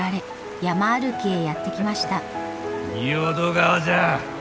仁淀川じゃ。